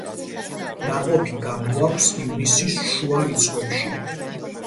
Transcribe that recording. ნაყოფი გამოაქვს ივნისის შუა რიცხვებში.